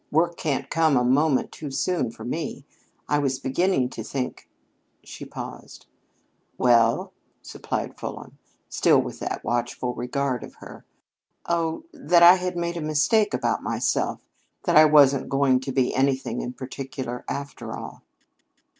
"Work can't come a moment too soon for me. I was beginning to think " She paused. "Well?" supplied Fulham, still with that watchful regard of her. "Oh, that I had made a mistake about myself that I wasn't going to be anything in particular, after all."